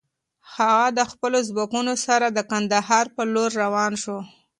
هغه د خپلو ځواکونو سره د کندهار پر لور روان شو.